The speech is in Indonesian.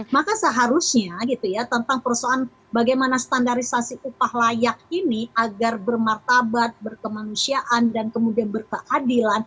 maka seharusnya gitu ya tentang persoalan bagaimana standarisasi upah layak ini agar bermartabat berkemanusiaan dan kemudian berkeadilan